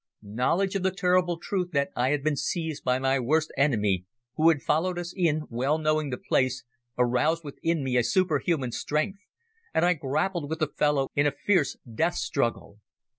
Knowledge of the terrible truth that I had been seized by my worst enemy, who had followed us in, well knowing the place, aroused within me a superhuman strength, and I grappled with the fellow in a fierce death struggle.